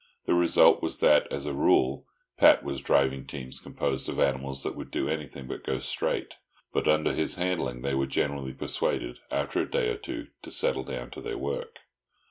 The result was that, as a rule, Pat was driving teams composed of animals that would do anything but go straight, but under his handling they were generally persuaded, after a day or two, to settle down to their work.